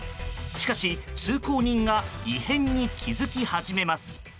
しかし、通行人が異変に気付き始めます。